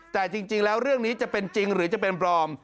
แต่จริงแล้วเรื่องนี้จะเป็นจริงหรือจะเป็นปลอม